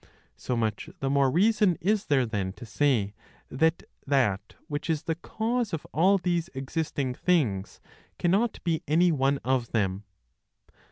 So much the more reason is there then to say that that which is the cause of all these existing things cannot be any one of them.